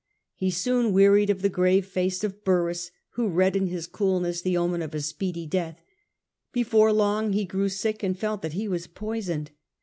He soon wearied of the grave face of Burrhus, who read in his coolness the omen of a speedy deatli. I^)efc're long he grew sick and felt that he was poisoned.